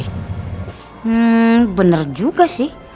hmm bener juga sih